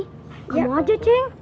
kamu aja ceng